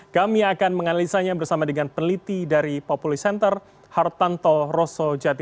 kami akan menganalisanya bersama dengan peneliti dari populi center hartanto roso jati